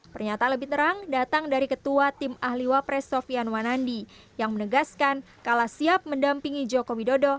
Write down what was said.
pernyataan lebih terang datang dari ketua tim ahli wapres sofian wanandi yang menegaskan kala siap mendampingi joko widodo